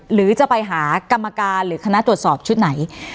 หรือจะไปหากรรมการหรือคณะตรวจสอบชุดไหน